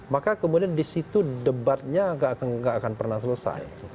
maka kemudian di situ debatnya nggak akan pernah selesai